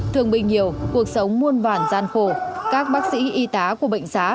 thường bình hiểu cuộc sống muôn vản gian khổ các bác sĩ y tá của bệnh xá